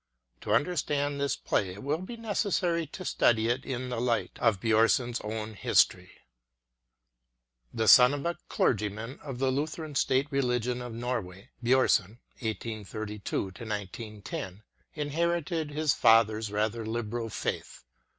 To understand this play it will be necessary to study it in the light of Bjorn son's own history. The son of a clergyman of the Lutheran state religion of Norway, Bjornson (1832 1910) inherited his father's rather liberal faith.